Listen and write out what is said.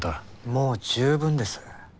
もう十分です。